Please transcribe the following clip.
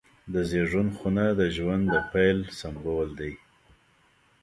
د زیږون خونه د ژوند د پیل سمبول دی.